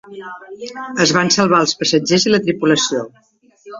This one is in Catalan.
Es van salvar els passatgers i la tripulació.